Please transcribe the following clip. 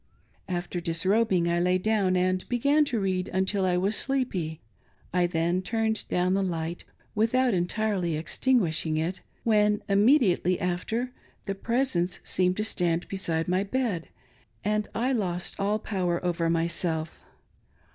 After disrobing, I lay down and began to read until I was sleepy ; I then turned down the light, without entirely extinguishing it, when, immediately after, .the " Pre sence" seemed to stand beside my bed, and I lost all power over myself.